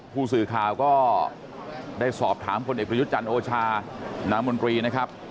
ผู้สื่อข่าวก็ได้สอบถามคนเอกประยุทธ์จันทร์โอชานามนตรีนะครับ